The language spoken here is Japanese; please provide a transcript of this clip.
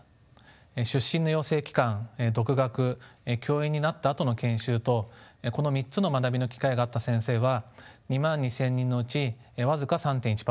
出身の養成機関独学教員になったあとの研修とこの３つの学びの機会があった先生は２万２，０００人のうち僅か３．１％。